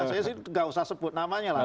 saya sih nggak usah sebut namanya lah